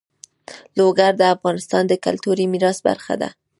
لوگر د افغانستان د کلتوري میراث برخه ده.